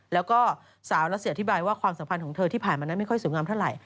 แล้วก็สาวรัสเซียอธิบายว่าความสัมพันธ์ของเธอที่ผ่านมานั้นไม่ค่อยสวยงามเท่าไหร